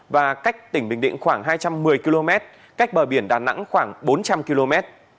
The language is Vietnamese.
và cách tỉnh bình định khoảng hai trăm một mươi km cách bờ biển đà nẵng khoảng bốn trăm linh km